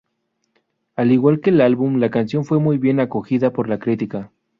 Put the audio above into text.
Al igual que el álbum, la canción fue muy bien acogida por la crítica.